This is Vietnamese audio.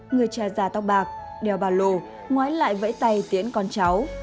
người cha già tóc bạc đeo bà lộ ngoái lại vẫy tay tiễn con cháu